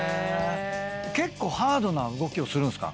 結構ハードな動きをするんすか？